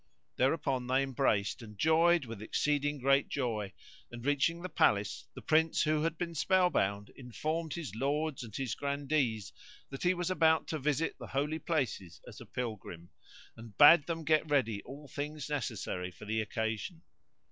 Thereupon they embraced and joyed with exceeding great joy; and, reaching the palace, the Prince who had been spell bound informed his lords and his grandees that he was about to visit the Holy Places as a pilgrim, and bade them get ready all things necessary for the occasion.